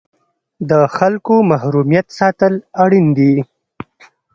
د خلکو محرمیت ساتل اړین دي؟